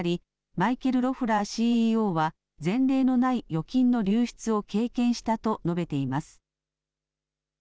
マイケル・ロフラーＣＥＯは前例のない預金の流出を経験したと述べています。